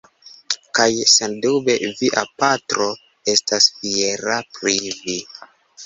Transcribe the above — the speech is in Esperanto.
Kaj, sendube, via patro estas fiera pri vi.